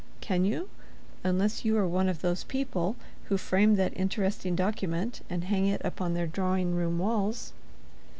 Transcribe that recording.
Can you—unless you are one of those people who frame that interesting document and hang it upon their drawing room walls?